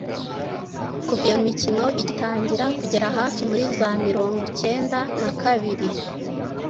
Kuva iyo mikino igitangira kugera hafi muri za mirongwicyenda nakabiri